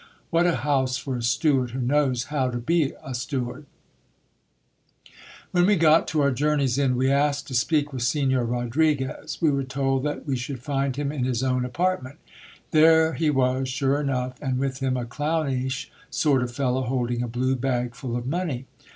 What a house for a steward who knows how to be a steward !\\ hen we got to our journey's end, we asked to speak with Signor Rodri guez. We were told that we should find him in his own apartment. There he wf s, sure enough, and with him a clownish sort of fellow holding a blue bag, full of money.